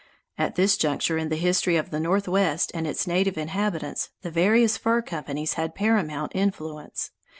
At this juncture in the history of the northwest and its native inhabitants, the various fur companies had paramount influence.